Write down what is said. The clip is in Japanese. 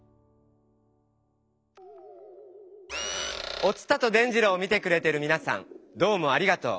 「お伝と伝じろう」を見てくれてるみなさんどうもありがとう。